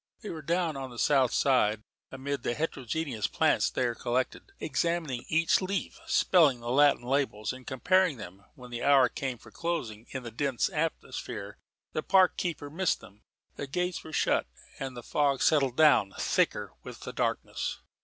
They were down on the south side, amid the heterogeneous plants there collected, examining each leaf, spelling the Latin labels and comparing them, when the hour came for closing. In the dense atmosphere the park keeper missed them. The gates were shut; and the fog settled down thicker with the darkness.